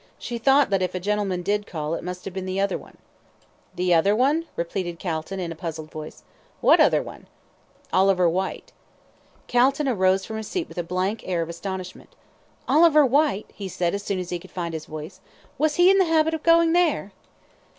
She thought that if a gentleman did call it must have been the other one." "The other one?" repeated Calton, in a puzzled voice. "What other one?" "Oliver Whyte." Calton arose from his seat with a blank air of astonishment. "Oliver Whyte!" he said, as soon as he could find his voice. "Was he in the habit of going there?"